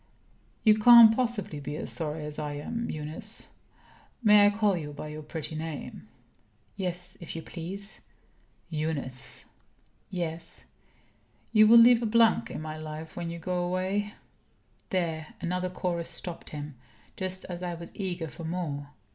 "You can't possibly be as sorry as I am, Eunice. May I call you by your pretty name?" "Yes, if you please." "Eunice!" "Yes." "You will leave a blank in my life when you go away " There another chorus stopped him, just as I was eager for more.